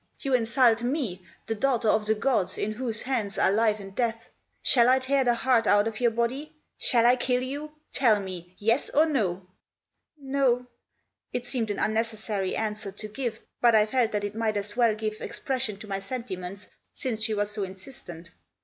You insult me, the daughter of the gods, in whose hands are life and death 1 Shall I tear the heart out of your body ? Shall I kill you ? Tell me !— yes or no 1 " "No," It seemed an unnecessary answer to give, but I felt that I might as well give expression to my sentiments since she was so insistent.